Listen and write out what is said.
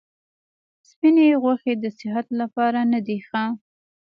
سپیني غوښي د صحت لپاره نه دي ښه.